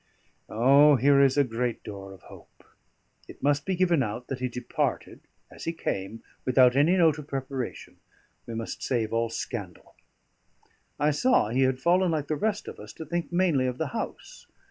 "O! here is a great door of hope. It must be given out that he departed as he came without any note of preparation. We must save all scandal." I saw he had fallen, like the rest of us, to think mainly of the house.